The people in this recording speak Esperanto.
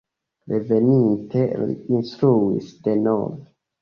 Reveninte li instruis denove.